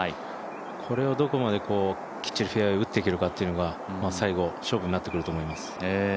これをどこまできっちりフェアウエーに打っていけるかっていうのが最後、勝負になってくると思います。